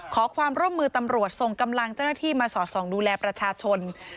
ขอความร่วมมือตำรวจส่งกำลังเจ้าหน้าที่มาสอดส่องดูแลประชาชน